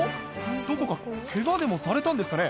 どこかケガでもされたんですかね？